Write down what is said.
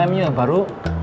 amin yang baru